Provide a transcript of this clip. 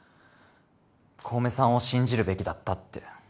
小梅さんを信じるべきだったって。